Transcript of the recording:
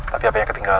tapi apinya ketinggalan